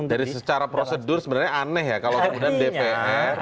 dari secara prosedur sebenarnya aneh ya kalau kemudian dpr